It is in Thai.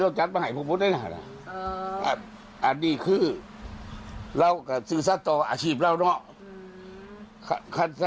เอาจัดมาให้ผู้ปืนด้วยน่ะ